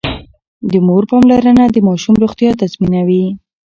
د مور پاملرنه د ماشوم روغتيا تضمينوي.